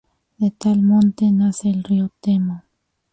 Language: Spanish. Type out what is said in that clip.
De tal monte nace el río Temo.